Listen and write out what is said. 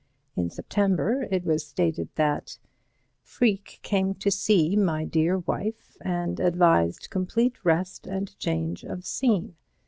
In September it was stated that "Freke came to see my dear wife and advised complete rest and change of scene.